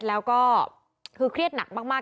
แล้วก็คือเครียดหนักมาก